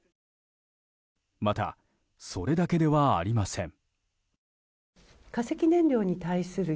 また、それだけではありません。